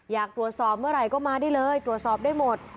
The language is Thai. อยากตรวจสอบเมื่อไหร่ก็มาได้เลยตรวจสอบได้หมด